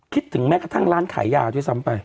คิดถึงแม้กระทั่งร้านขายยาด้วยซ้ำไป